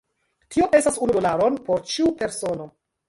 Tio estas unu dolaron por ĉiu persono?